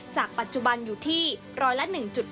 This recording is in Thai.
จากปัจจุบันอยู่ที่ร้อยละ๑๕